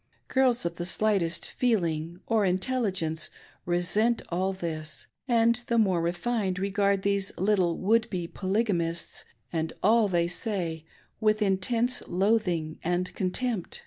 Girls of the sHghtest feeling or intelligence resent all this and the more refined regard these little would be Polygamists, and all they say, with intense loathing and contempt.